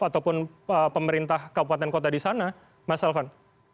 ataupun pemerintah kabupaten kota di sana mas elvan